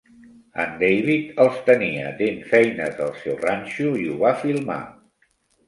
En David els tenia dent feines al seu ranxo i ho va filmar.